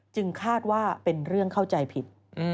คาดว่าเป็นเรื่องเข้าใจผิด